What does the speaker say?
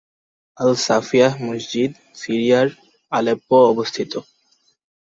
Al-Safiyah মসজিদ সিরিয়ার Aleppo অবস্থিত।